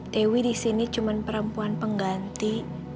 dewi di sini cuma perempuan pengganti